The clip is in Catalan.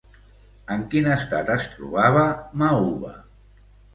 En quin estat es trobava Mauva?